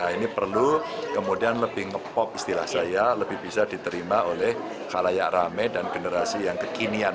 ini perlu kemudian lebih nge pop istilah saya lebih bisa diterima oleh halayak rame dan generasi yang kekinian